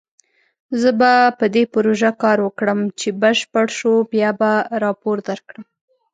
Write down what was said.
زه به په دې پروژه کار وکړم، چې بشپړ شو بیا به راپور درکړم